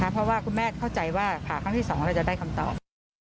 เพราะว่าคุณแม่เข้าใจว่าผ่าครั้งที่๒เราจะได้คำตอบ